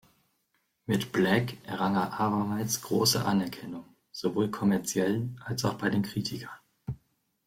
Mit "Black" errang er abermals große Anerkennung, sowohl kommerziell als auch bei den Kritikern.